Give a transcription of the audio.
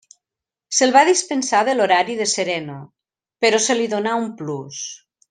Se'l va dispensar de l'horari de sereno, però se li donà un plus.